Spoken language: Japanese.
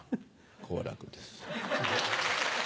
好楽です。